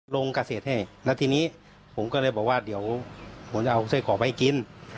ลงเกษตรให้แล้วทีนี้ผมก็เลยบอกว่าเดี๋ยวผมจะเอาไส้กรอกไปให้กิน